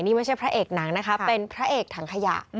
นี่ไม่ใช่พระเอกหนังนะคะเป็นพระเอกถังขยะ